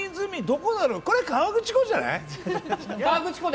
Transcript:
これ、河口湖じゃない？